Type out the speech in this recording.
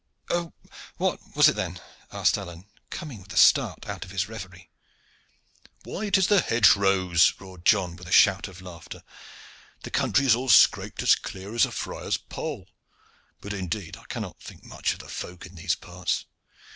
"What was it then?" asked Alleyne, coming with a start out of his reverie. "Why, it is the hedgerows," roared John, with a shout of laughter. "The country is all scraped as clear as a friar's poll. But indeed I cannot think much of the folk in these parts.